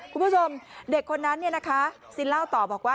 คุณผู้ชมเด็กคนนั้นซินเล่าต่อบอกว่า